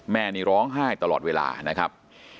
แม่นี่ร้องไห้ตลอดเวลานะครับ